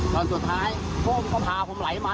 เกมยกไปแหละ